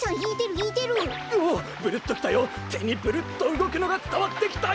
てにブルッとうごくのがつたわってきたよ。